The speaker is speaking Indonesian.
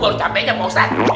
baru cabainya pak ustadz